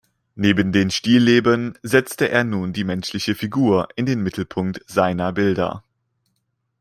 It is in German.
Neben den Stillleben setzte er nun die menschliche Figur in den Mittelpunkt seiner Bilder.